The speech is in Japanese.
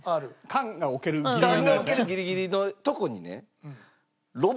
缶が置けるギリギリのとこにね。